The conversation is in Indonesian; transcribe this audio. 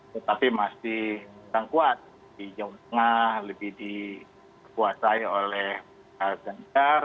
tetapi masih kurang kuat di jawa tengah lebih dikuasai oleh ganjar